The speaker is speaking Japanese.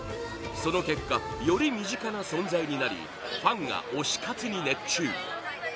その結果より身近な存在になりファンが推し活に熱中